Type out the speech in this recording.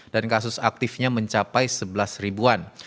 dan kasus aktifnya mencapai sebelas ribuan